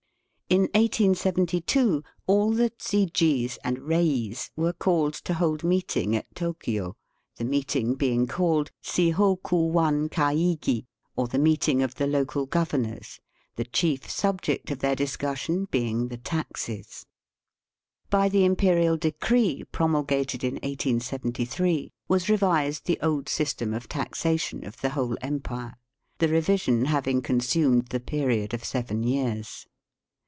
Digitized by VjOOQIC 90 EAST BY WEST. In 1872 all the chijis and reis were called to hold meeting at Tokio, the meeting heing called " Chihokuwan Kaigi," or the meeting of the local governors, the chief subject of their discussion being the taxes. By the imperial decree promulgated in 1873 was revised the old system of taxation of the whole empire, the revision having con sumed the period of seven years.